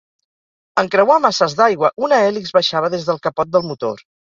En creuar masses d'aigua, una hèlix baixava des del capot del motor.